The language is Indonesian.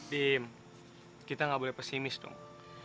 bim kita gak boleh pesimis dong